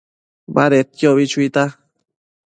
Badedquio ubi chuita